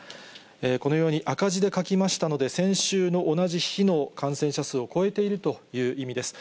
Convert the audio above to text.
このように赤字で書きましたので、先週の同じ日の感染者数を超えているという意味です。